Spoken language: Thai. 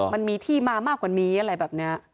มันมีที่มามากกว่านี้อะไรแบบนี้